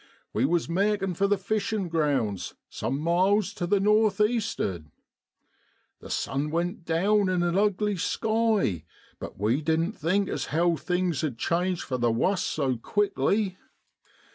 We was makin' for the fishin' grounds some miles tu the Nor'east'ard. The sun went down in a ugly sky, but we didn't think as how things 'ud change for the wuss so quickly.